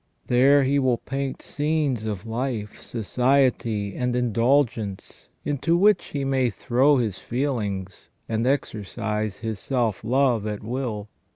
There he will paint scenes of life, society, and indulgence into which he may throw his feelings, and exercise his self love at will.